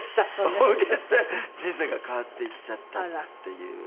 大ウケして人生が変わっていっちゃったっていう。